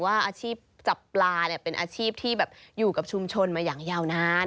อาชีพจับปลาเป็นอาชีพที่แบบอยู่กับชุมชนมาอย่างยาวนาน